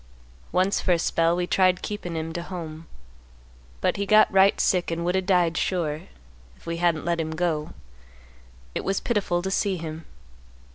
Once for a spell we tried keepin' him to home, but he got right sick and would o' died sure, if we hadn't let him go; it was pitiful to see him.